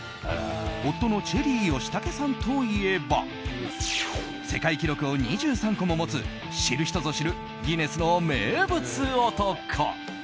夫のチェリー吉武さんといえば世界記録を２３個も持つ知る人ぞ知るギネスの名物男。